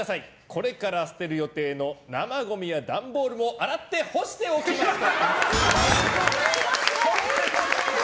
これから捨てる予定の生ごみや段ボールを洗って干しておきました！